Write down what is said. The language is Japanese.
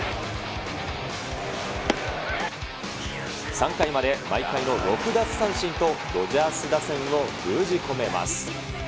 ３回まで毎回の６奪三振とドジャース打線を封じ込めます。